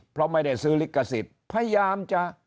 เพราะไม่ได้ซื้อลิขสิทธิ์พยายามจะ